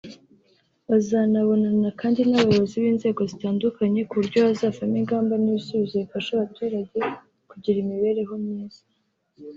bazanabonana kandi n’Abayobozi b’inzego zitandukanye ku buryo hazavamo ingamba n’ibisubizo bifasha abaturage kugira imibereho myiza